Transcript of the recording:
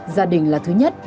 gia đình là thứ nhất